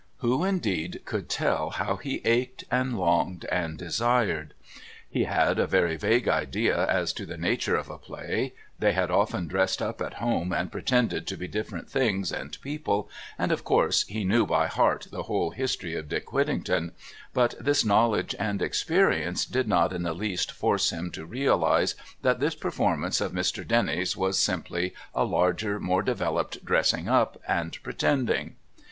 Who indeed could tell how he ached and longed and desired He had a very vague idea as to the nature of a play; they had often dressed up at home and pretended to be different things and people, and, of course, he knew by heart the whole history of Dick Whittington, but this knowledge and experience did not in the least force him to realise that this performance of Mr. Denny's was simply a larger, more developed "dressing up" and pretending.